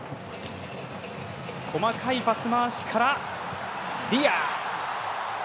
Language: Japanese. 細かいパス回しからディア！